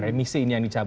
remisi ini yang dikatakan